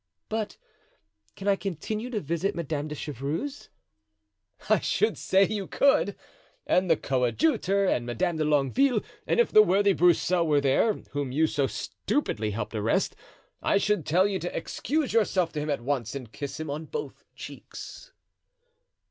"But can I continue to visit Madame de Chevreuse?" "I should say you could! and the coadjutor and Madame de Longueville; and if the worthy Broussel were there, whom you so stupidly helped arrest, I should tell you to excuse yourself to him at once and kiss him on both cheeks."